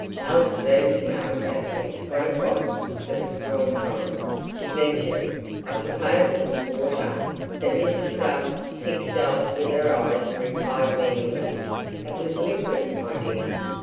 Alice burned to know exactly what it was that was drawn from him. She ventured, "I suppose it was water." But Mrs. Stubbs fixed Alice with her eyes and replied meaningly, "It was liquid, my dear."